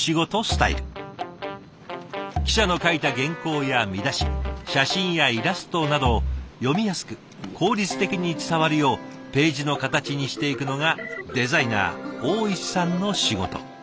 記者の書いた原稿や見出し写真やイラストなどを読みやすく効率的に伝わるようページの形にしていくのがデザイナー大石さんの仕事。